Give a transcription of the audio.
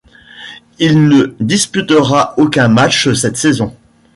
Il ne disputera aucun match cette saison.